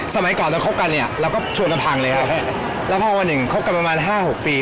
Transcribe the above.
สมัยก่อนเราคบกันเนี่ยเราก็ชวนกันพังเลยครับแล้วพอวันหนึ่งคบกันประมาณห้าหกปี